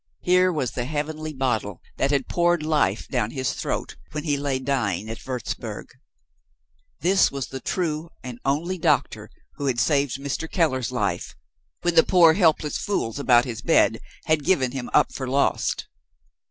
Here was the heavenly bottle that had poured life down his throat, when he lay dying at Wurzburg! This was the true and only doctor who had saved Mr. Keller's life, when the poor helpless fools about his bed had given him up for lost!